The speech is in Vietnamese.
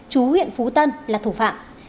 chú huyện phú tân là thủ phạm